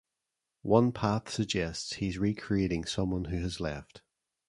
One path suggests he’s recreating someone who has left.